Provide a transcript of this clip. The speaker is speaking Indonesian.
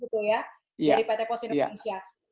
dari pt post indonesia